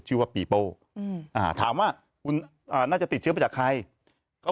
ชื่อว่าปีโป้อืมอ่าถามว่าคุณอ่าน่าจะติดเชื้อมาจากใครก็